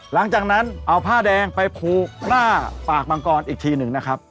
หลังจากนั้นเอาผ้าแดงไปผูกหน้าปากมังกรอีกทีหนึ่งนะครับ